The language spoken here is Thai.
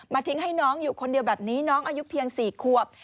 ทิ้งให้น้องอยู่คนเดียวแบบนี้น้องอายุเพียง๔ขวบ